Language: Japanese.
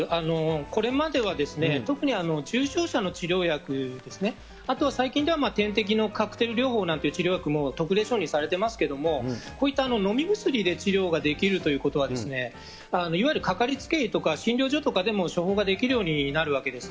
これまでは特に重症者の治療薬ですね、あとは最近では、点滴のカクテル療法なんていうのも治療薬も特例承認されてますけれども、こういった飲み薬で治療ができるということは、いわゆるかかりつけ医とか、診療所とかでも処方ができるようになるわけです。